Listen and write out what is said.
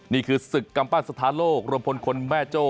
นี่คือศึกกำปั้นสถานโลกรวมพลคนแม่โจ้